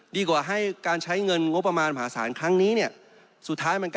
ดีกว่าให้การใช้เงินงบประมาณหมาสารครั้งนี้เนี่ย